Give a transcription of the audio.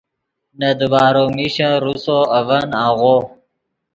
نے دیبارو میشن روسو اڤن آغو